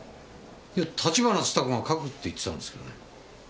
いや橘つた子が書くって言ってたんですけどね。